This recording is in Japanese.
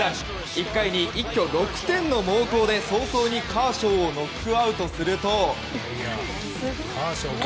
１回に、一挙６点の猛攻で早々にカーショーをノックアウトすると。